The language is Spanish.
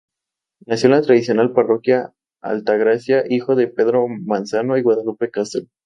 Nació en la tradicional parroquia Altagracia, hijo de Pedro Manzano y Guadalupe Castro.